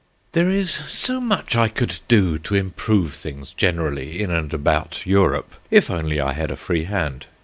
THERE is so much I could do to improve things generally in and about Europe, if only I had a free hand.